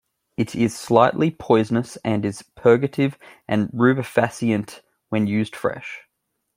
It is slightly poisonous and is purgative and rubefacient when used fresh.